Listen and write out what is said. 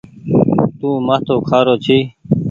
تو مآٿو کآرو ڇي۔